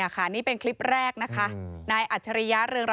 เขาต้องไปเขาก็ตัวละครดีตัวนึงนะ